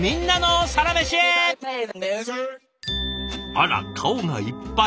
あら顔がいっぱい！